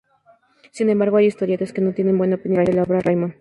Sin embargo, hay historietistas que no tienen buena opinión de la obra de Raymond.